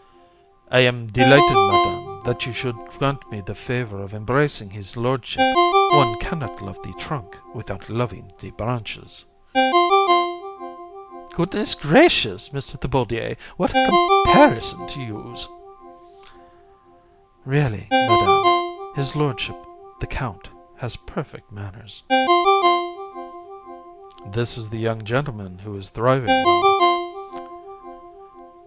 THI. I am delighted, Madam, that you should grant me the favour of embracing his lordship. One cannot love the trunk without loving the branches. COUN. Goodness gracious, Mr. Thibaudier, what a comparison to use! JU. Really, Madam, his lordship the count has perfect manners. VISC. This is a young gentleman who is thriving well.